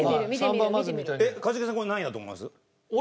一茂さんこれ何位だと思います？